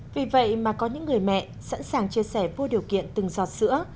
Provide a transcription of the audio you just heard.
vì vậy mà có những người mẹ sẵn sàng chia sẻ vô điều kiện từng giọt sữa